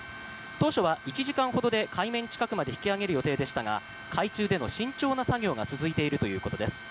当初は１時間ほどで海面近くまで引き揚げる予定でしたが海中での慎重な作業が続いているということです。